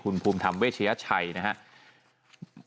คุณภูมิธรรมเวชยชัยนะครับ